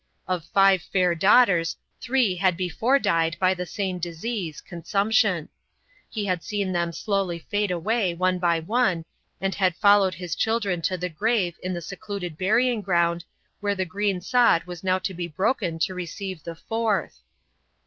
Of five fair daughters, three had before died by the same disease, consumption. He had seen them slowly fade away, one by one, and had followed his children to the grave in the secluded burying ground, where the green sod was now to be broken to receive the fourth.